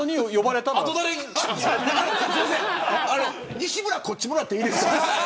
西村こっちにもらっていいですか。